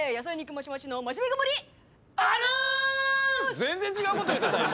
全然違うこと言うてた今。